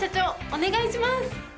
お願いします！